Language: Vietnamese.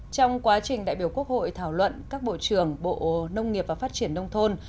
trong quá trình đại biểu quốc hội thảo luận các bộ trưởng bộ nông nghiệp và phát triển nông thôn